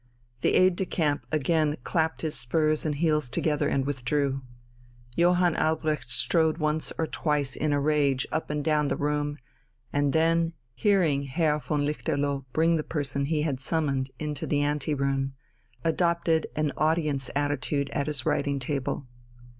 The aide de camp again clapped his spurs and heels together and withdrew. Johann Albrecht strode once or twice in a rage up and down the room, and then, hearing Herr von Lichterloh bring the person he had summoned into the ante room, adopted an audience attitude at his writing table.